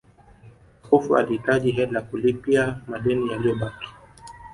Askofu alihitaji hela kulipia madeni yaliyobaki